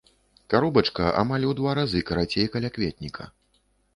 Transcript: Каробачка амаль у два разы карацей калякветніка.